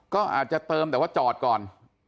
ก็อาจจะเติมแต่ว่าจอดก่อน